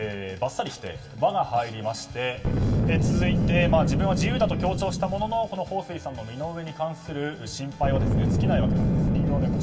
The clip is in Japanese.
「バ」が入りまして、続いて自分は自由だと強調したもののこのホウ・スイさんの身の上に対する心配は尽きないわけです。